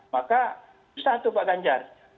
maka susah itu pak ganjar